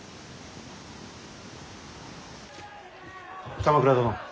鎌倉殿。